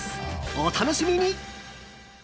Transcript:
お楽しみに！